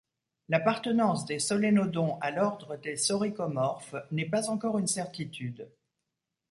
L'appartenance des solénodons à l'ordre des soricomorphes n'est pas encore une certitude.